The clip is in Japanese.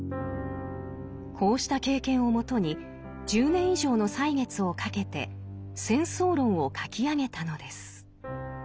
こうした経験をもとに１０年以上の歳月をかけて「戦争論」を書き上げたのです。